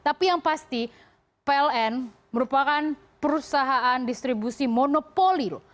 tapi yang pasti pln merupakan perusahaan distribusi monopoli loh